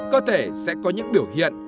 cơ thể sẽ có những biểu hiện